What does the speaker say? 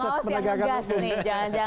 dewan pengawas yang ngegas nih jangan jangan